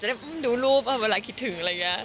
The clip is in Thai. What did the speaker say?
จะได้ดูรูปเวลาคิดถึง